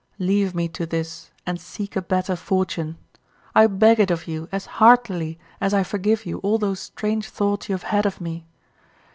Leave me to this, and seek a better fortune. I beg it of you as heartily as I forgive you all those strange thoughts you have had of me.